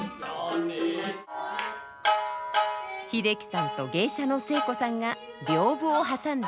英樹さんと芸者の聖子さんが屏風を挟んで対戦。